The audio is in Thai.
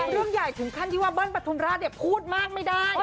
เรื่องใหญ่ถึงขั้นที่ว่าเบิ้ลปฐุมราชพูดมากไม่ได้